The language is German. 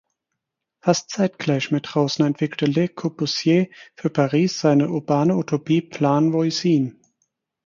Fast zeitgleich mit Rosner entwickelte Le Corbusier für Paris seine urbane Utopie Plan Voisin.